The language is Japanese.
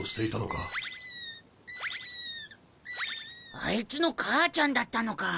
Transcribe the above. あいつの母ちゃんだったのか。